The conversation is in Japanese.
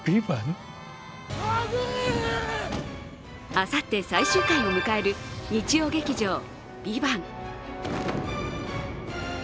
あさって、最終回を迎える日曜劇場「ＶＩＶＡＮＴ」。